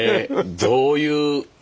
どういう。